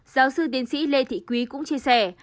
giáo sư tiến sĩ lê thị quý cũng chia sẻ